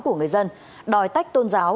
của người dân đòi tách tôn giáo